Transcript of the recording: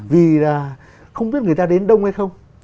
vì không biết người ta đến đông hay không